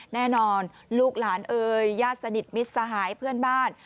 แน่นอนลูกหลานเอ่ยญาติสนิทมิตรสหายเพื่อนบ้าน